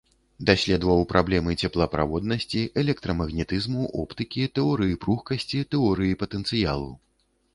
Даследаваў праблемы цеплаправоднасці, электрамагнетызму, оптыкі, тэорыі пругкасці, тэорыі патэнцыялу.